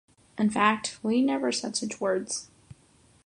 In fact, Li never said such words.